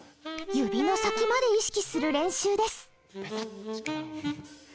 指の先まで意識する練習です。